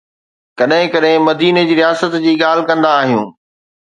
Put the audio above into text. ڪڏهن ڪڏهن مديني جي رياست جي ڳالهه ڪندا آهيون.